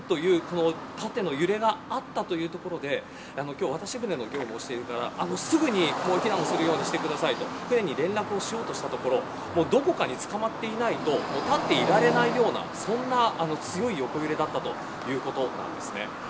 ずんという縦の揺れがあったというところで渡し船の業務もしていてすぐに避難をするようにしてくださいと舟に連絡をしようとしたところどこかにつかまっていないと立っていられないようなそんな強い横揺れだったということです。